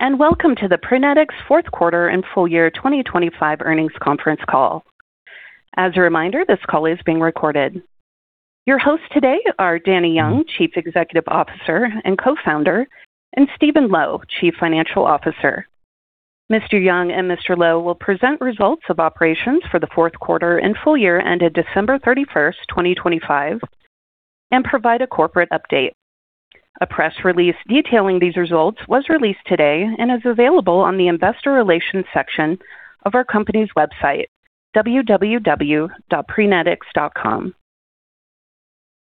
Welcome to the Prenetics' Fourth Quarter and Full-Year 2025 Earnings Conference Call. As a reminder, this call is being recorded. Your hosts today are Danny Yeung, Chief Executive Officer and Co-founder, and Stephen Lo, Chief Financial Officer. Mr. Yeung and Mr. Lo will present results of operations for the fourth quarter and full year ended December 31st, 2025, and provide a corporate update. A press release detailing these results was released today and is available on the Investor Relations section of our company's website, www.prenetics.com.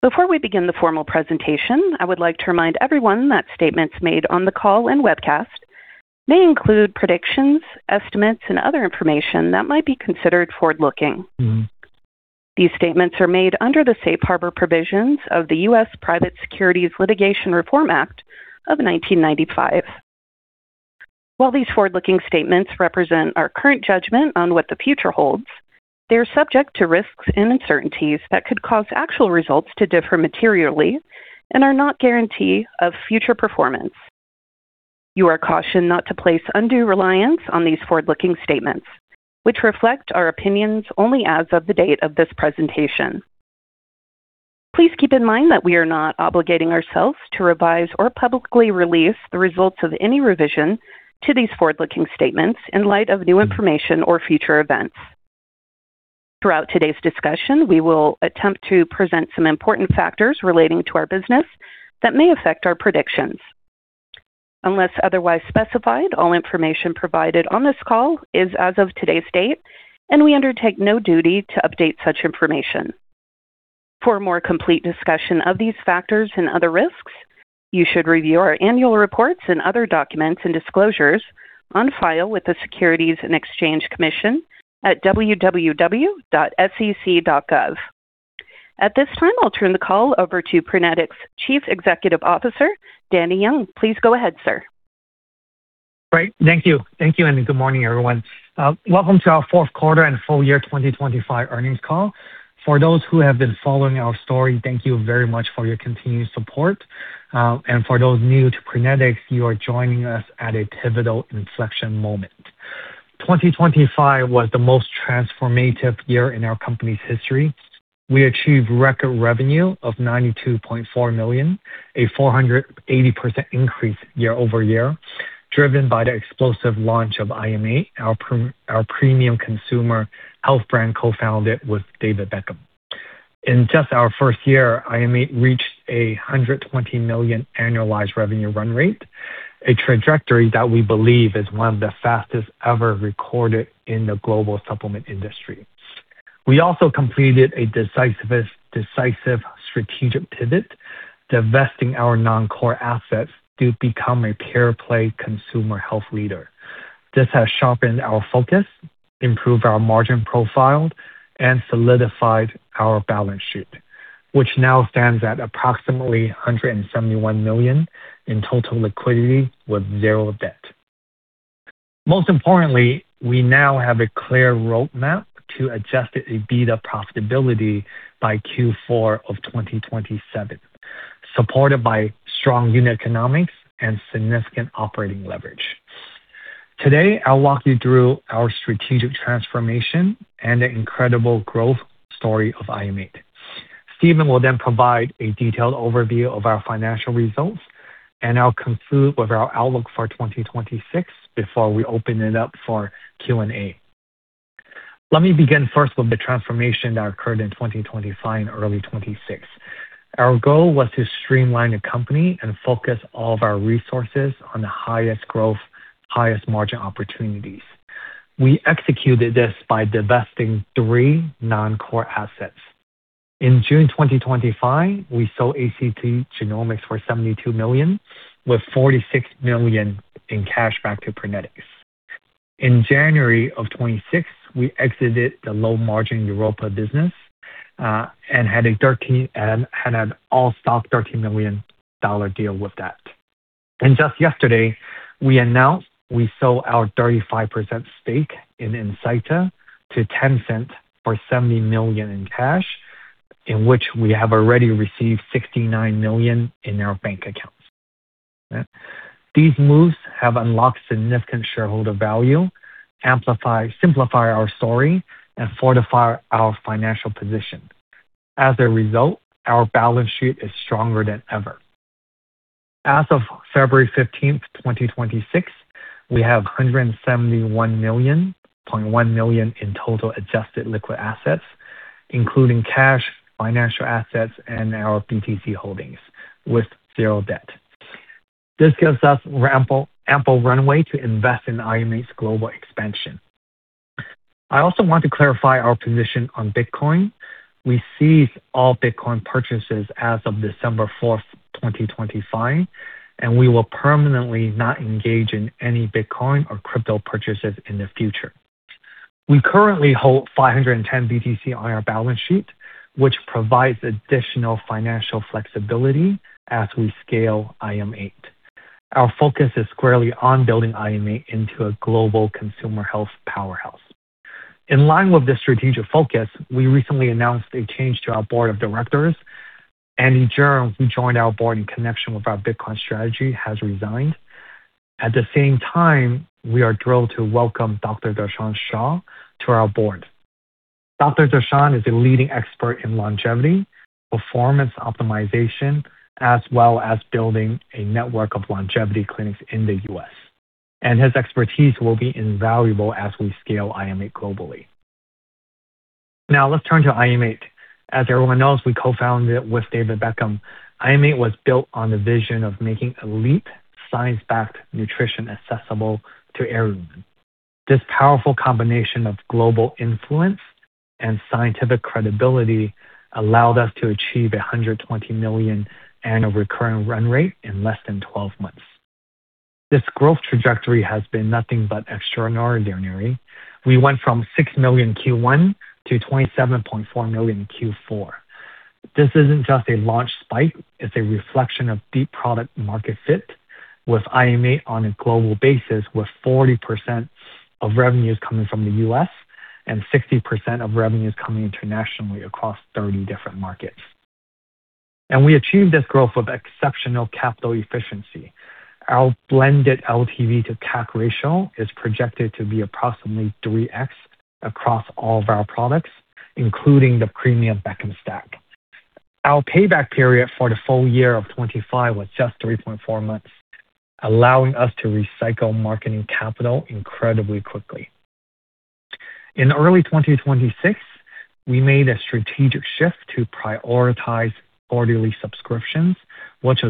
Before we begin the formal presentation, I would like to remind everyone that statements made on the call and webcast may include predictions, estimates, and other information that might be considered forward-looking. These statements are made under the safe harbor provisions of the US Private Securities Litigation Reform Act of 1995. While these forward-looking statements represent our current judgment on what the future holds, they are subject to risks and uncertainties that could cause actual results to differ materially and are not guarantee of future performance. You are cautioned not to place undue reliance on these forward-looking statements, which reflect our opinions only as of the date of this presentation. Please keep in mind that we are not obligating ourselves to revise or publicly release the results of any revision to these forward-looking statements in light of new information or future events. Throughout today's discussion, we will attempt to present some important factors relating to our business that may affect our predictions. Unless otherwise specified, all information provided on this call is as of today's date, and we undertake no duty to update such information. For a more complete discussion of these factors and other risks, you should review our annual reports and other documents and disclosures on file with the Securities and Exchange Commission at www.sec.gov. At this time, I'll turn the call over to Prenetics' Chief Executive Officer, Danny Yeung. Please go ahead, sir. Great. Thank you. Thank you, and good morning, everyone. Welcome to our fourth quarter and full year 2025 earnings call. For those who have been following our story, thank you very much for your continued support and for those new to Prenetics, you are joining us at a pivotal inflection moment. 2025 was the most transformative year in our company's history. We achieved record revenue of $92.4 million, a 480% increase year-over-year, driven by the explosive launch of IM8, our premium consumer health brand, co-founded with David Beckham. In just our first year, IM8 reached a $120 million annualized revenue run rate, a trajectory that we believe is one of the fastest ever recorded in the global supplement industry. We also completed a decisive strategic pivot, divesting our non-core assets to become a pure-play consumer health leader. This has sharpened our focus, improved our margin profile, and solidified our balance sheet, which now stands at approximately $171 million in total liquidity with $0 debt. Most importantly, we now have a clear roadmap to adjusted EBITDA profitability by Q4 of 2027, supported by strong unit economics and significant operating leverage. Today, I'll walk you through our strategic transformation and the incredible growth story of IM8. Stephen will then provide a detailed overview of our financial results, and I'll conclude with our outlook for 2026 before we open it up for Q&A. Let me begin first with the transformation that occurred in 2025 and early 2026. Our goal was to streamline the company and focus all of our resources on the highest growth, highest margin opportunities. We executed this by divesting three non-core assets. In June 2025, we sold ACT Genomics for $72 million, with $46 million in cash back to Prenetics. In January 2026, we exited the low-margin Europa business, and had an all-stock $13 million deal with that. Just yesterday, we announced we sold our 35% stake in Insighta to Tencent for $70 million in cash, in which we have already received $69 million in our bank accounts. These moves have unlocked significant shareholder value, amplify, simplify our story, and fortify our financial position. As a result, our balance sheet is stronger than ever. As of February 15th, 2026, we have $171.1 million in total adjusted liquid assets, including cash, financial assets, and our BTC holdings, with $0 debt. This gives us ample, ample runway to invest in IM8's global expansion. I also want to clarify our position on Bitcoin. We ceased all Bitcoin purchases as of December 4th, 2025, and we will permanently not engage in any Bitcoin or crypto purchases in the future. We currently hold 510 BTC on our balance sheet, which provides additional financial flexibility as we scale IM8. Our focus is squarely on building IM8 into a global consumer health powerhouse. In line with this strategic focus, we recently announced a change to our Board of Directors, Andy Cheung, who joined our Board in connection with our Bitcoin strategy has resigned. At the same time, we are thrilled to welcome Dr. Darshan Shah to our Board. Dr. Darshan is a leading expert in longevity, performance optimization, as well as building a network of longevity clinics in the U.S., and his expertise will be invaluable as we scale IM8 globally. Now, let's turn to IM8. As everyone knows, we co-founded it with David Beckham. IM8 was built on the vision of making elite, science-backed nutrition accessible to everyone. This powerful combination of global influence and scientific credibility allowed us to achieve $120 million annual recurring run rate in less than 12 months. This growth trajectory has been nothing but extraordinary. We went from $6 million Q1 to $27.4 million Q4. This isn't just a launch spike, it's a reflection of deep product market fit with IM8 on a global basis, with 40% of revenues coming from the U.S. and 60% of revenues coming internationally across 30 different markets. We achieved this growth with exceptional capital efficiency. Our blended LTV-to-CAC ratio is projected to be approximately 3x across all of our products, including the premium Beckham Stack. Our payback period for the full year of 2025 was just 3.4 months, allowing us to recycle marketing capital incredibly quickly. In early 2026, we made a strategic shift to prioritize quarterly subscriptions, which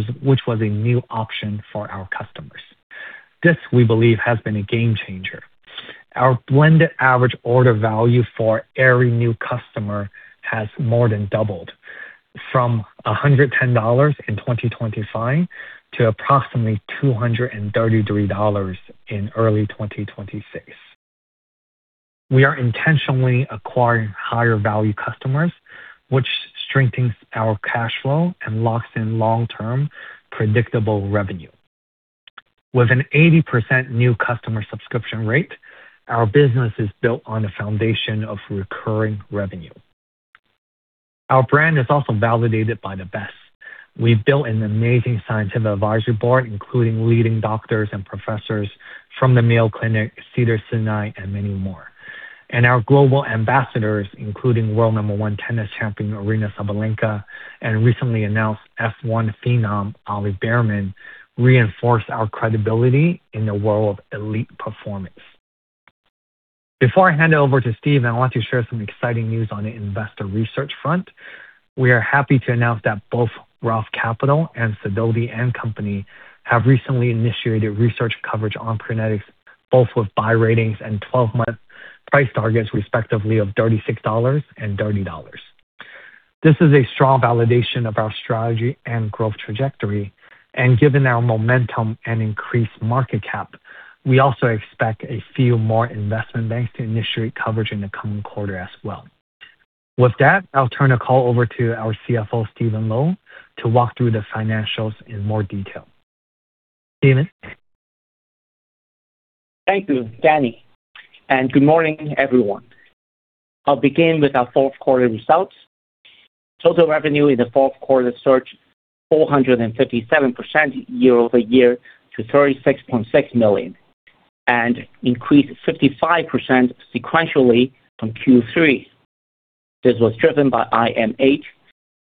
was a new option for our customers. This, we believe, has been a game changer. Our blended average order value for every new customer has more than doubled, from $110 in 2025 to approximately $233 in early 2026. We are intentionally acquiring higher value customers, which strengthens our cash flow and locks in long-term predictable revenue. With an 80% new customer subscription rate, our business is built on a foundation of recurring revenue. Our brand is also validated by the best. We've built an amazing scientific advisory board, including leading doctors and professors from the Mayo Clinic, Cedars-Sinai, and many more. Our global ambassadors, including World No. 1 tennis champion Aryna Sabalenka, and recently announced F1 phenom, Ollie Bearman, reinforce our credibility in the world of elite performance. Before I hand it over to Steve, I want to share some exciting news on the investor research front. We are happy to announce that both Roth Capital Partners and Sidoti & Company have recently initiated research coverage on Prenetics, both with buy ratings and 12-month price targets, respectively, of $36 and $30. This is a strong validation of our strategy and growth trajectory, and given our momentum and increased market cap, we also expect a few more investment banks to initiate coverage in the coming quarter as well. With that, I'll turn the call over to our CFO, Stephen Lo, to walk through the financials in more detail. Stephen? Thank you, Danny, and good morning, everyone. I'll begin with our fourth quarter results. Total revenue in the fourth quarter surged 457% year-over-year to $36.6 million, and increased 55% sequentially from Q3. This was driven by IM8,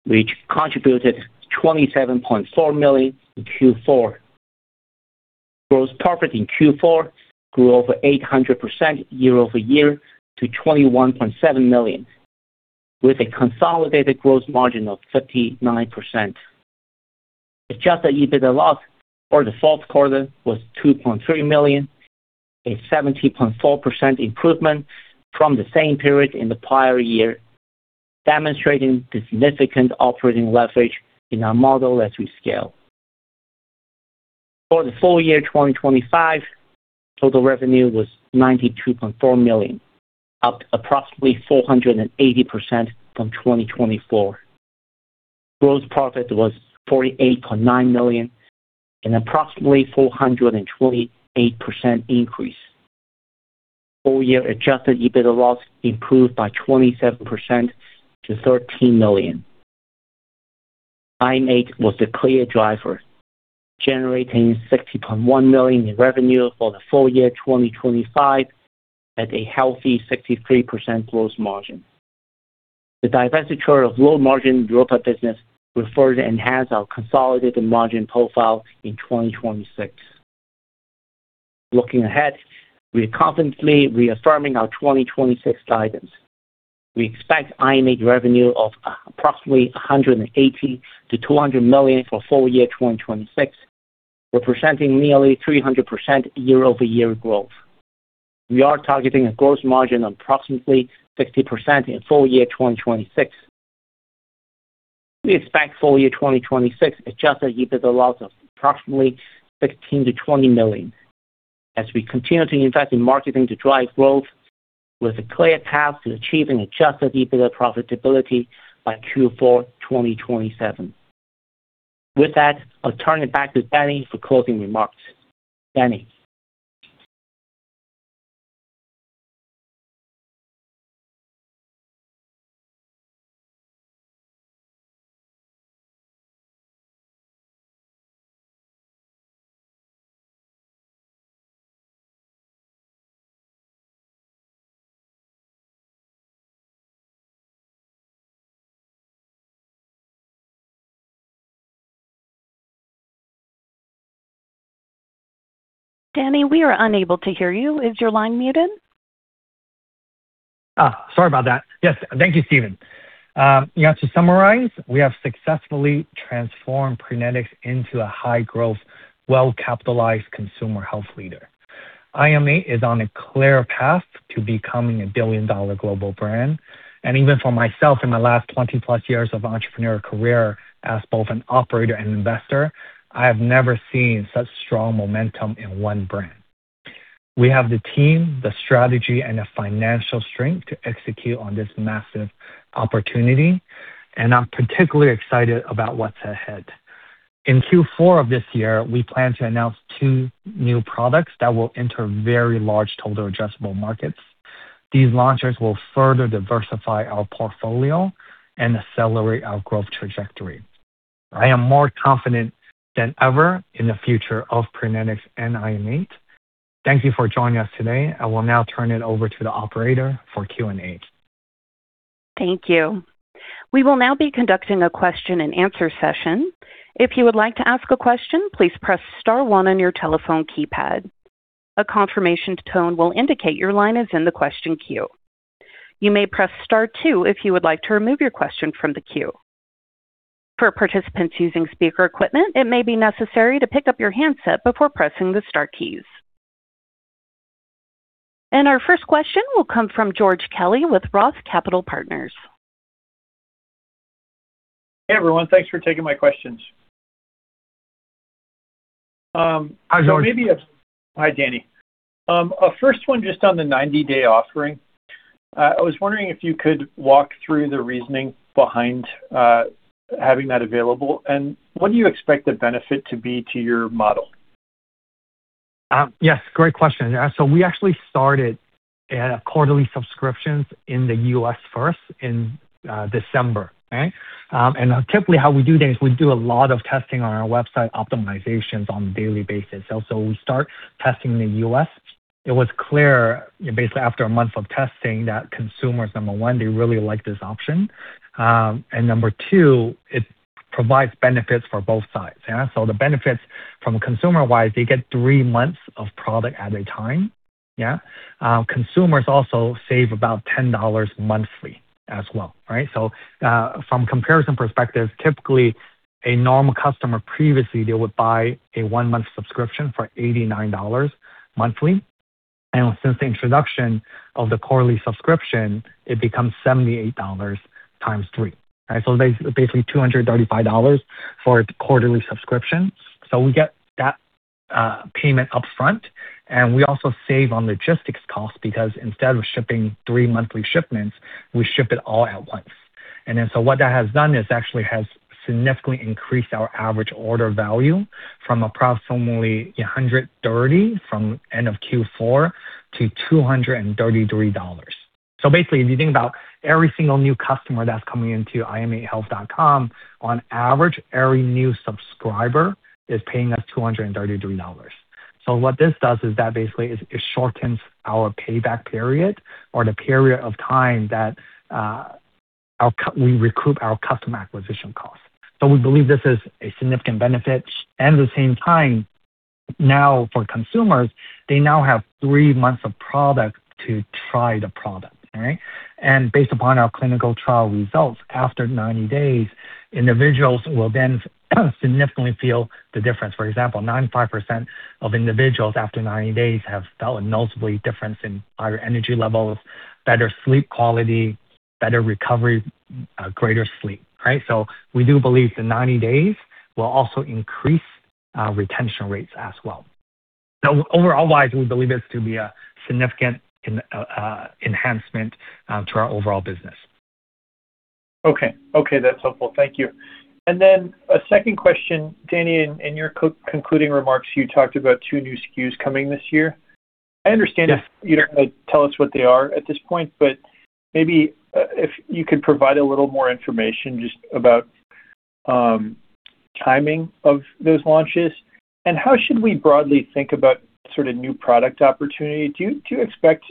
which contributed $27.4 million in Q4. Gross profit in Q4 grew over 800% year-over-year to $21.7 million, with a consolidated gross margin of 59%. Adjusted EBITDA loss for the fourth quarter was $2.3 million, a 70.4% improvement from the same period in the prior year, demonstrating the significant operating leverage in our model as we scale. For the full year 2025, total revenue was $92.4 million, up approximately 480% from 2024. Gross profit was $48.9 million, an approximately 428% increase. Full-year adjusted EBITDA loss improved by 27% to $13 million. IM8 was the clear driver, generating $60.1 million in revenue for the full-year 2025, at a healthy 63% gross margin. The divestiture of low-margin Europa business will further enhance our consolidated margin profile in 2026. Looking ahead, we are confidently reaffirming our 2026 guidance. We expect IM8 revenue of approximately $180 million-$200 million for full-year 2026, representing nearly 300% year-over-year growth. We are targeting a gross margin of approximately 60% in full-year 2026. We expect full-year 2026 adjusted EBITDA loss of approximately $16 million-$20 million as we continue to invest in marketing to drive growth, with a clear path to achieving adjusted EBITDA profitability by Q4 2027. With that, I'll turn it back to Danny for closing remarks. Danny? Danny, we are unable to hear you. Is your line muted? Ah, sorry about that. Yes, thank you, Stephen. To summarize, we have successfully transformed Prenetics into a high-growth, well-capitalized consumer health leader. IM8 is on a clear path to becoming a billion-dollar global brand, and even for myself, in my last 20+ years of entrepreneurial career as both an operator and investor, I have never seen such strong momentum in one brand. We have the team, the strategy, and the financial strength to execute on this massive opportunity, and I'm particularly excited about what's ahead. In Q4 of this year, we plan to announce two new products that will enter very large total addressable markets. These launches will further diversify our portfolio and accelerate our growth trajectory. I am more confident than ever in the future of Prenetics and IM8. Thank you for joining us today. I will now turn it over to the operator for Q&A. Thank you. We will now be conducting a question-and-answer session. If you would like to ask a question, please press star one on your telephone keypad. A confirmation tone will indicate your line is in the question queue. You may press star two if you would like to remove your question from the queue. For participants using speaker equipment, it may be necessary to pick up your handset before pressing the star keys. Our first question will come from George Kelly with Roth Capital Partners. Hey, everyone. Thanks for taking my questions. Hi, George. Hi, Danny. Our first one, just on the 90-day offering, I was wondering if you could walk through the reasoning behind having that available, and what do you expect the benefit to be to your model? Yes, great question. Yeah, so we actually started quarterly subscriptions in the U.S. first in December, right? And typically how we do things, we do a lot of testing on our website, optimizations on a daily basis. So we start testing in the U.S. It was clear, basically, after a month of testing, that consumers, number one, they really like this option, and number two, it provides benefits for both sides. Yeah, so the benefits from consumer-wise, they get three months of product at a time. Yeah. Consumers also save about $10 monthly as well, right? So, from comparison perspective, typically, a normal customer previously, they would buy a one-month subscription for $89 monthly, and since the introduction of the quarterly subscription, it becomes $78 × 3. Right? So basically $235 for a quarterly subscription. We get that payment upfront, and we also save on logistics costs because instead of shipping three monthly shipments, we ship it all at once. What that has done is actually has significantly increased our average order value from approximately $130 from end of Q4 to $233. Basically, if you think about every single new customer that's coming into im8health.com, on average, every new subscriber is paying us $233. What this does is that basically it shortens our payback period or the period of time that we recoup our customer acquisition cost. We believe this is a significant benefit. At the same time, now for consumers, they now have three months of product to try the product, all right? Based upon our clinical trial results, after 90 days, individuals will then significantly feel the difference. For example, 95% of individuals after 90 days have felt a noticeable difference in higher energy levels, better sleep quality, better recovery, greater sleep. Right? So we do believe the 90 days will also increase retention rates as well. So overall wise, we believe this to be a significant enhancement to our overall business. Okay. Okay. That's helpful. Thank you. Then a second question, Danny, in your concluding remarks, you talked about two new SKUs coming this year. Yes. I understand if you don't want to tell us what they are at this point, but maybe, if you could provide a little more information just about, timing of those launches. How should we broadly think about sort of new product opportunity? Do you expect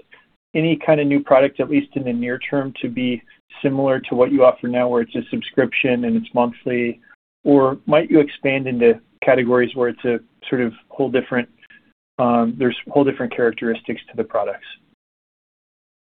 any kind of new product, at least in the near term, to be similar to what you offer now, where it's a subscription and it's monthly? Or might you expand into categories where it's a sort of whole different, there's whole different characteristics to the products?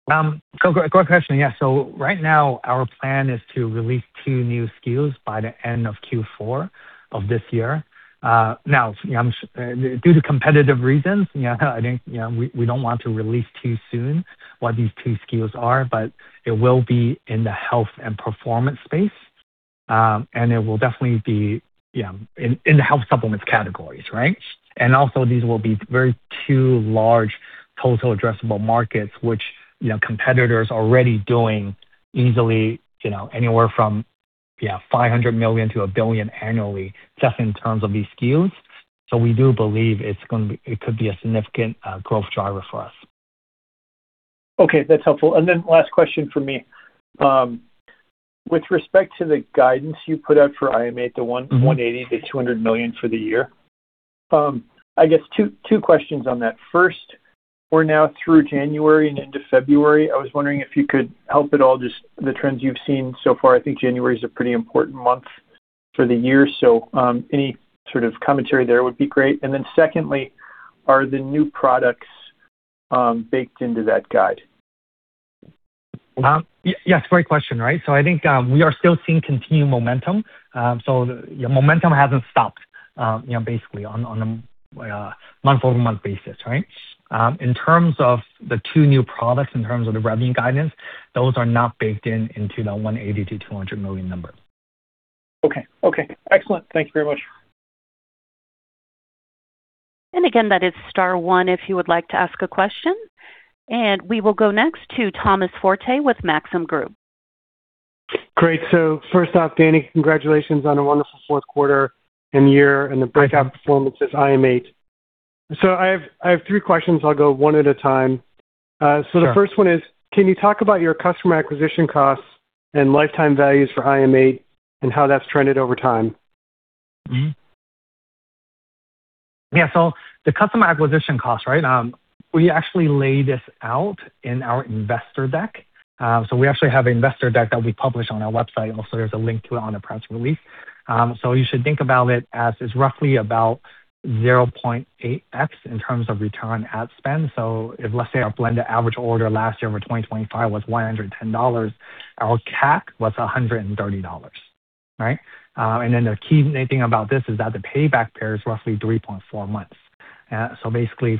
So great question. Yeah. So right now, our plan is to release two new SKUs by the end of Q4 of this year. Now, due to competitive reasons, yeah, I think, you know, we, we don't want to release too soon what these two SKUs are, but it will be in the health and performance space. It will definitely be, yeah, in, in the health supplements categories, right? And also, these will be very two large total addressable markets, which, you know, competitors are already doing easily, you know, anywhere from $500 million to $1 billion annually, just in terms of these SKUs. So we do believe it's going to be, it could be a significant growth driver for us. Okay, that's helpful and then last question for me. With respect to the guidance you put out for IM8, the $180 million-$200 million for the year, I guess two questions on that. First, we're now through January and into February, I was wondering if you could help at all, just the trends you've seen so far. I think January is a pretty important month for the year, so any sort of commentary there would be great. Then secondly, are the new products baked into that guide? Yes, great question, right? So I think we are still seeing continued momentum. So, yeah, momentum hasn't stopped, you know, basically on a month-over-month basis, right? In terms of the two new products, in terms of the revenue guidance, those are not baked in into the $180 million-$200 million number. Okay. Okay, excellent. Thank you very much. Again, that is star one if you would like to ask a question. We will go next to Thomas Forte with Maxim Group. Great. So first off, Danny, congratulations on a wonderful fourth quarter and year and the breakout performances, IM8. So I have three questions. I'll go one at a time. Sure. So the first one is, can you talk about your customer acquisition costs and lifetime values for IM8 and how that's trended over time? Yeah, so the customer acquisition costs, right? We actually lay this out in our Investor Deck. We actually have an Investor Deck that we publish on our website, and also there's a link to it on the press release. You should think about it as it's roughly about 0.8x in terms of return ad spend. If, let's say, our blended average order last year over 2025 was $110, our CAC was $130, right? The key thing about this is that the payback period is roughly 3.4 months. Basically,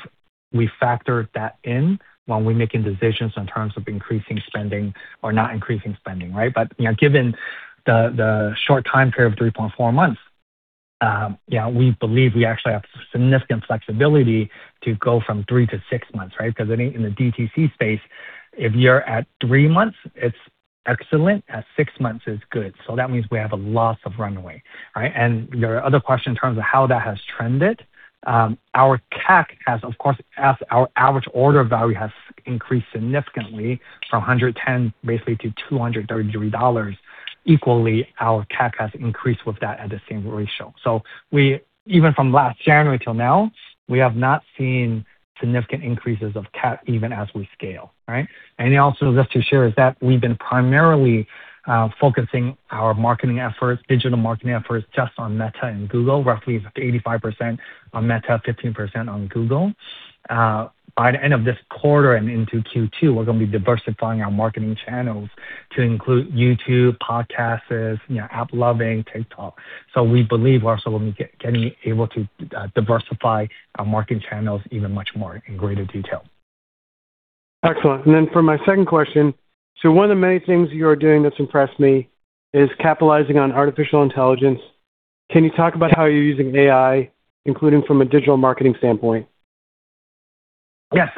we factor that in when we're making decisions in terms of increasing spending or not increasing spending, right? But, you know, given the short time period of 3.4 months, we believe we actually have significant flexibility to go from three to six months, right? Because in the DTC space, if you're at three months, it's excellent. At six months, it's good. So that means we have a lot of runway, right? And your other question, in terms of how that has trended, our CAC has, of course, as our average order value has increased significantly from $110, basically, to $233, equally, our CAC has increased with that at the same ratio. So we even from last January till now, we have not seen significant increases of CAC even as we scale, right? Also just to share, is that we've been primarily focusing our marketing efforts, digital marketing efforts, just on Meta and Google, roughly 85% on Meta, 15% on Google. By the end of this quarter and into Q2, we're going to be diversifying our marketing channels to include YouTube, podcasts, you know, AppLovin, TikTok. So we believe we're also going to getting able to diversify our marketing channels even much more in greater detail. Excellent and then for my second question: So one of the many things you are doing that's impressed me is capitalizing on artificial intelligence. Can you talk about how you're using AI, including from a digital marketing standpoint? Yes,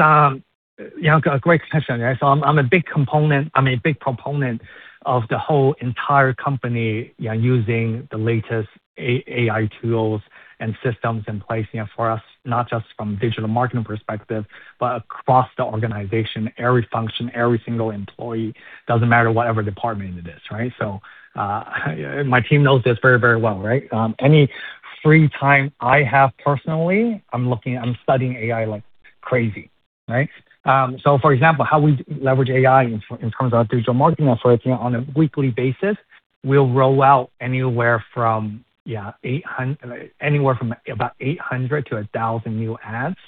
you know, great question. So I'm a big component, I'm a big proponent of the whole entire company, yeah, using the latest AI tools and systems in place, you know, for us, not just from a digital marketing perspective, but across the organization, every function, every single employee, doesn't matter whatever department it is, right? So, my team knows this very, very well, right? So for example, how we leverage AI in terms of our digital marketing efforts, on a weekly basis, we'll roll out anywhere from, yeah, about 800-1,000 new ads.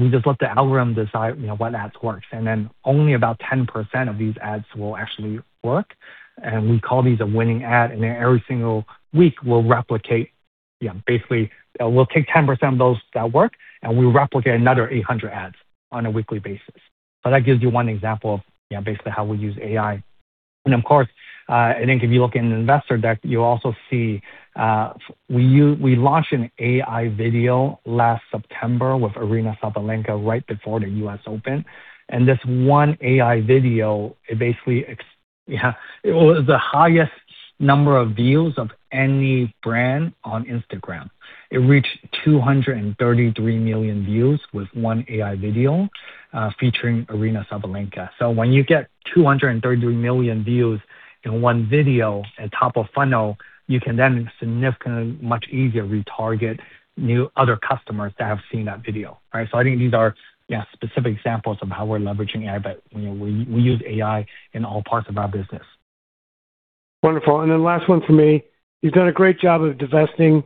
We just let the algorithm decide, you know, what ads works, and then only about 10% of these ads will actually work, and we call these a winning ad and then every single week, we'll replicate, yeah, basically, we'll take 10% of those that work, and we replicate another 800 ads on a weekly basis. But that gives you one example of, yeah, basically how we use AI and of course, and then if you look in the investor deck, you also see, we launched an AI video last September with Aryna Sabalenka right before the US Open. This one AI video, it basically, yeah, it was the highest number of views of any brand on Instagram. It reached 233 million views with one AI video, featuring Aryna Sabalenka. So when you get 233 million views in one video at top of funnel, you can then significantly, much easier, retarget new, other customers that have seen that video. Right? So I think these are, yeah, specific examples of how we're leveraging AI, but, you know, we, we use AI in all parts of our business. Wonderful and then last one for me. You've done a great job of divesting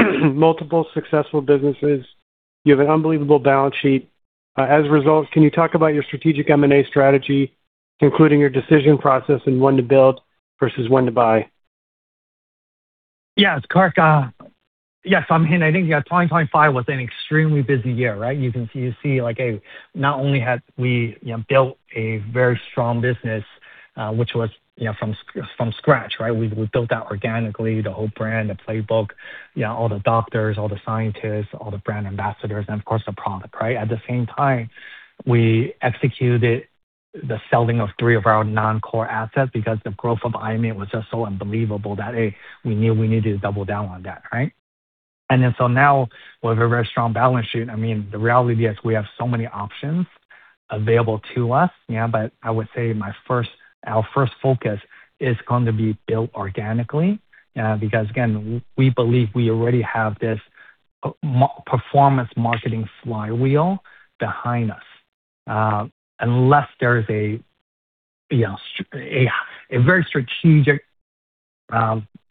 multiple successful businesses. You have an unbelievable balance sheet. As a result, can you talk about your strategic M&A strategy, including your decision process and when to build versus when to buy? Yes, CAC. Yes, I mean, I think, yeah, 2025 was an extremely busy year, right? You can see, you see, like, not only had we, you know, built a very strong business, which was, you know, from, from scratch, right? We, we built that organically, the whole brand, the playbook, you know, all the doctors, all the scientists, all the brand ambassadors, and of course, the product, right? At the same time, we executed the selling of three of our non-core assets because the growth of IM8 was just so unbelievable that, hey, we knew we needed to double down on that, right? And then so now we have a very strong balance sheet. I mean, the reality is we have so many options available to us, yeah, but I would say our first focus is going to be built organically, because again, we believe we already have this performance marketing flywheel behind us. Unless there is a, you know, a very strategic,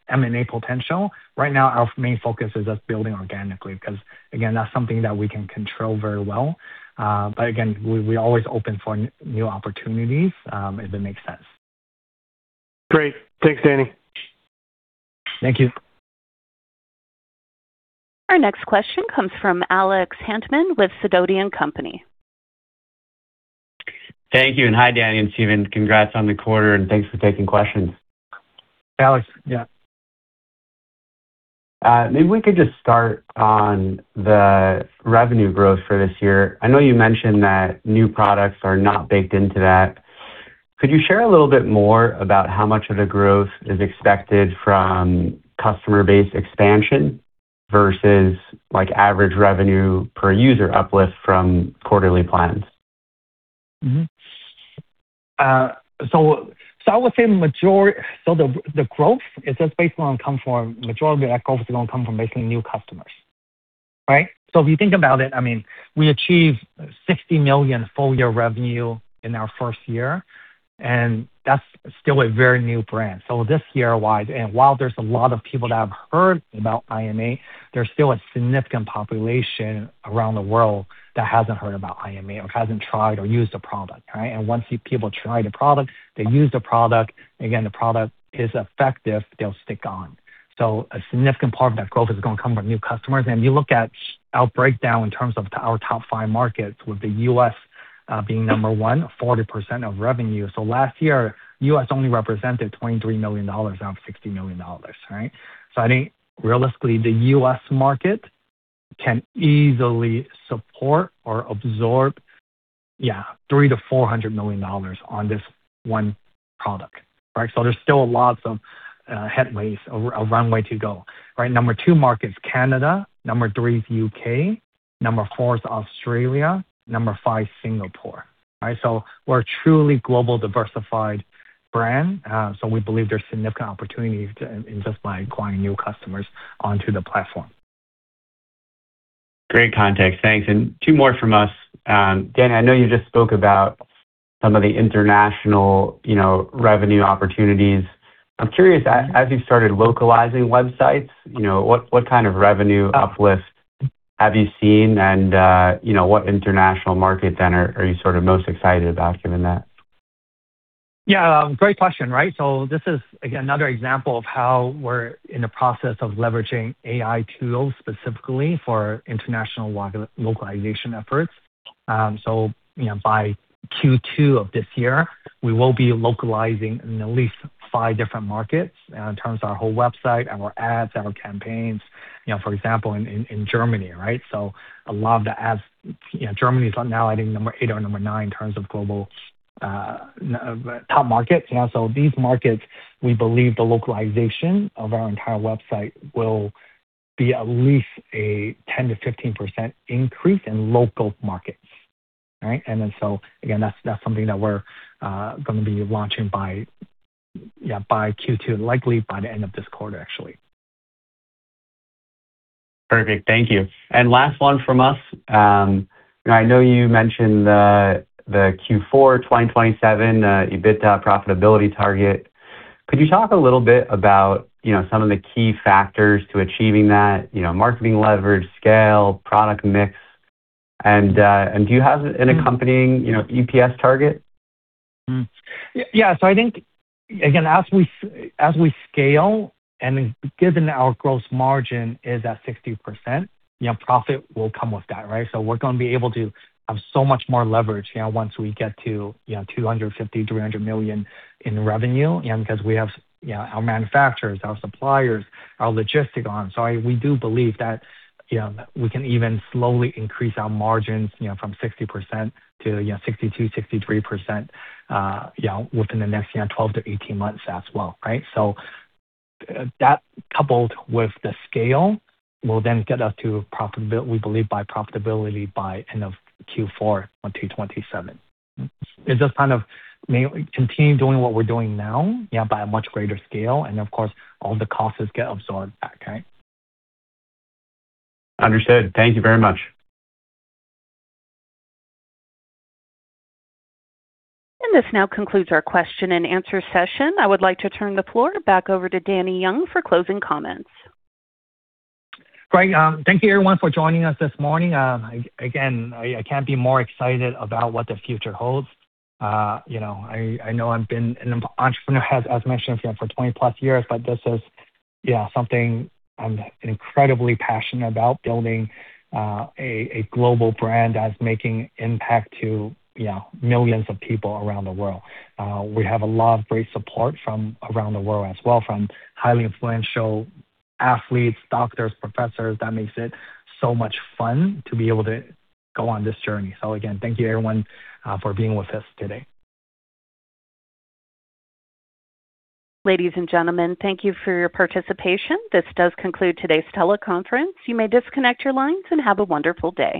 M&A potential, right now our main focus is just building organically, because, again, that's something that we can control very well. But again, we, we're always open for new opportunities, if it makes sense. Great. Thanks, Danny. Thank you. Our next question comes from Alex Hantman with Sidoti & Company. Thank you, and hi, Danny and Stephen. Congrats on the quarter, and thanks for taking questions. Alex, yeah. Maybe we could just start on the revenue growth for this year. I know you mentioned that new products are not baked into that. Could you share a little bit more about how much of the growth is expected from customer base expansion versus, like, average revenue per user uplift from quarterly plans? So, I would say the majority... So the growth is just going to come from the majority of that growth is going to come from making new customers, right? So if you think about it, I mean, we achieved $60 million full-year revenue in our first year, and that's still a very new brand. So this year, while there's a lot of people that have heard about IM8, there's still a significant population around the world that hasn't heard about IM8 or hasn't tried or used the product, right? And once these people try the product, they use the product, again, the product is effective, they'll stick on. So a significant part of that growth is going to come from new customers. If you look at our breakdown in terms of our top five markets, with the U.S., being number one, 40% of revenue. So last year, U.S. only represented $23 million, now $60 million, right? So I think realistically, the U.S. market can easily support or absorb, yeah, $300 million-$400 million on this one product, right? So there's still lots of headway, a runway to go, right? Number two market is Canada, number three is U.K., number four is Australia, number five, Singapore, right? So we're a truly global, diversified brand, so we believe there's significant opportunity to, in just by acquiring new customers onto the platform. Great context. Thanks. Two more from us. Dan, I know you just spoke about some of the international, you know, revenue opportunities. I'm curious, as you've started localizing websites, you know, what kind of revenue uplift have you seen? And, you know, what international markets then are you sort of most excited about, given that? Yeah, great question, right? So this is again, another example of how we're in the process of leveraging AI tools, specifically for international localization efforts. So you know, by Q2 of this year, we will be localizing in at least five different markets, in terms of our whole website, our ads, our campaigns, you know, for example, in Germany, right? So a lot of the ads, you know, Germany is now I think number eight or number nine in terms of global top markets. You know, so these markets, we believe the localization of our entire website will be at least a 10%-15% increase in local markets, right? And then, so again, that's something that we're gonna be launching by, yeah, by Q2, likely by the end of this quarter, actually. Perfect. Thank you and last one from us. I know you mentioned the Q4 2027 EBITDA profitability target. Could you talk a little bit about, you know, some of the key factors to achieving that? You know, marketing leverage, scale, product mix, and do you have an accompanying, you know, EPS target? Yeah. So I think, again, as we, as we scale, and given our gross margin is at 60%, you know, profit will come with that, right? So we're gonna be able to have so much more leverage, you know, once we get to, you know, $250 million-$300 million in revenue, because we have, you know, our manufacturers, our suppliers, our logistic on. So we do believe that, you know, we can even slowly increase our margins, you know, from 60% to, you know, 62%-63%, you know, within the next, you know, 12-18 months as well, right? So that, coupled with the scale, will then get us to profitability, we believe, by profitability by end of Q4 2027. It's just kind of mainly continue doing what we're doing now, yeah, by a much greater scale, and of course, all the costs get absorbed back, right? Understood. Thank you very much. This now concludes our question-and-answer session. I would like to turn the floor back over to Danny Yeung for closing comments. Great. Thank you everyone for joining us this morning. Again, I can't be more excited about what the future holds. You know, I know I've been an entrepreneur, as mentioned, for 20+ years, but this is, yeah, something I'm incredibly passionate about, building a global brand that's making impact to, you know, millions of people around the world. We have a lot of great support from around the world as well, from highly influential athletes, doctors, professors. That makes it so much fun to be able to go on this journey. So again, thank you everyone for being with us today. Ladies and gentlemen, thank you for your participation. This does conclude today's teleconference. You may disconnect your lines and have a wonderful day.